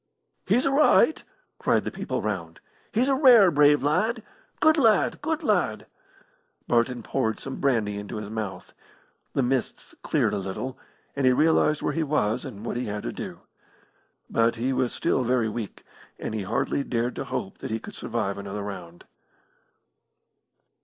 "He's a' right!" cried the people round. "He's a rare brave lad. Good lad! Good lad!" Barton poured some brandy into his mouth. The mists cleared a little, and he realised where he was and what he had to do. But he was still very weak, and he hardly dared to hope that he could survive another round.